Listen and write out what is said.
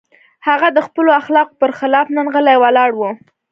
هغه د خپلو اخلاقو پر خلاف نن غلی ولاړ و.